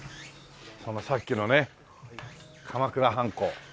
そのさっきのね鎌倉はんこ。